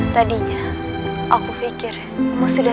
tadinya aku pikirmu sudah tiada